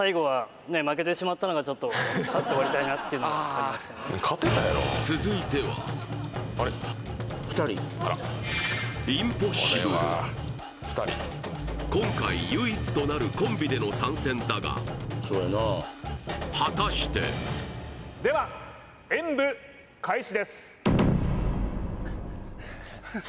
合計１５得点ああ続いては今回唯一となるコンビでの参戦だが果たしてでは演武開始です